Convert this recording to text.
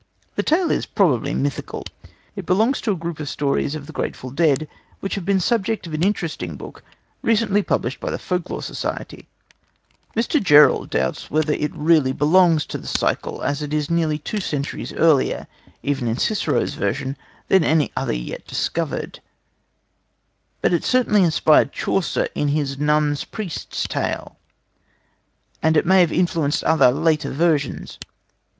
The tale is probably mythical. It belongs to a group of stories of the grateful dead, which have been the subject of an interesting book recently published by the Folk Lore Society. Mr. Gerould doubts whether it really belongs to the cycle, as it is nearly two centuries earlier, even in Cicero's version, than any other yet discovered; but it certainly inspired Chaucer in his Nun's Priest's Tale, and it may well have influenced other later versions.